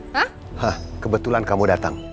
hah kebetulan kamu datang